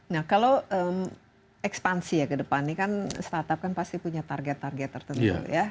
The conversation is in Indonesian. nah kalau ekspansi ya ke depannya kan startup kan pasti punya target target tertentu ya